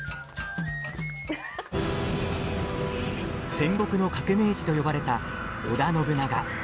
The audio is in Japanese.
戦国の革命児と呼ばれた織田信長。